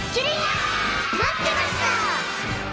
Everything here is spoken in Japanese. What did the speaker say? まってました！